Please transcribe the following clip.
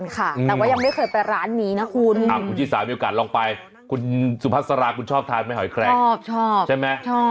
เคยไปไหม